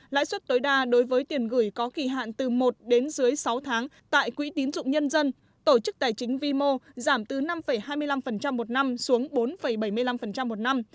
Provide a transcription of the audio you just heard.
lãi suất tối đa đối với tiền gửi có kỳ hạn từ một đến dưới sáu tháng tại quỹ tín dụng nhân dân tổ chức tài chính vimo giảm từ năm hai mươi năm một năm xuống bốn bảy mươi năm một năm